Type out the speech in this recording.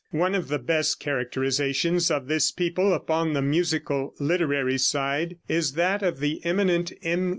One of the best characterizations of this people upon the musical literary side is that of the eminent M.